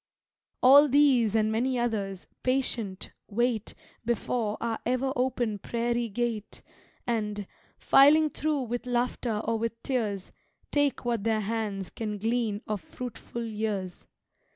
All these and many others, patient, wait Before our ever open prairie gate And, filing through with laughter or with tears, Take what their hands can glean of fruitful years.